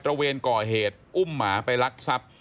ระเวนก่อเหตุอุ้มหมาไปลักทรัพย์